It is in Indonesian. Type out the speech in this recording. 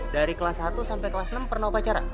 dari kelas satu sampai kelas enam pernah upacara